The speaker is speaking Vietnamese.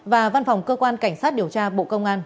và văn phòng cơ quan cảnh sát điều tra bộ công an